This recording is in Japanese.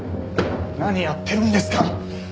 何やってるんですか！